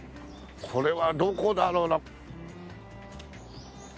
これはどこだろうな。